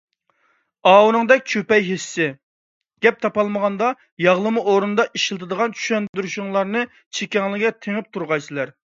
ئاۋۇنىڭدەك چۈپەي، ھېسسىي، گەپ تاپالمىغاندا ياغلىما ئورنىدا ئىشلىتىدىغان چۈشەندۈرۈشلىرىڭلارنى چېكەڭلەرگە تېڭىپ تۇرغايسىلەر.